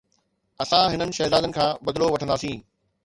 اسان هنن شهزادن کان بدلو وٺنداسين